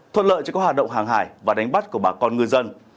thuận lợi cho các hoạt động hàng hải và đánh bắt của bà con ngư dân